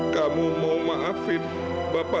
kamu mau maafin bapak dan ibu kan